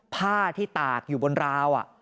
ผ้าที่ตากอยู่บนราว